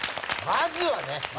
まずはね。